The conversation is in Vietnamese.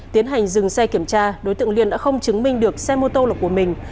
tiến hành dừng xe kiểm tra đối tượng liên đã không chứng minh được xe mô tô lộc của mình